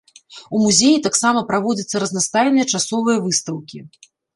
У музеі таксама праводзяцца разнастайныя часовыя выстаўкі.